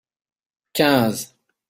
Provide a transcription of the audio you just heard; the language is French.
quinze.